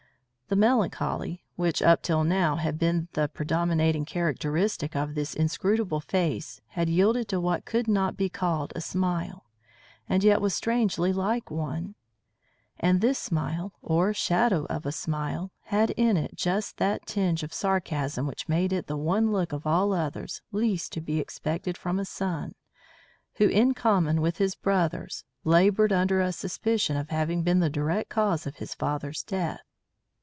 The melancholy which up till now had been the predominating characteristic of this inscrutable face had yielded to what could not be called a smile and yet was strangely like one; and this smile or shadow of a smile, had in it just that tinge of sarcasm which made it the one look of all others least to be expected from a son who in common with his brothers laboured under a suspicion of having been the direct cause of his father's death.